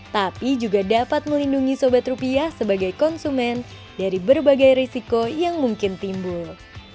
tapi juga dapat melindungi sobat rupiah sebagai konsumen dari berbagai risiko yang mungkin timbul